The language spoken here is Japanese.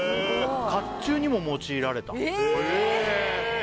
甲冑にも用いられたええーっ